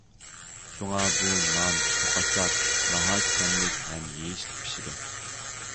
شۇڭا بۇ نان، توقاچلار ناھايىتى تەملىك ھەم يېيىشلىك پىشىدۇ.